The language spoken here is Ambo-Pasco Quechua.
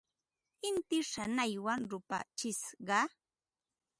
Inti shanaywan rupachishqa.